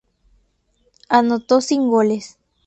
Anotó sin goles.